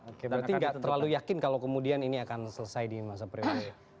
oke berarti nggak terlalu yakin kalau kemudian ini akan selesai di masa prioritas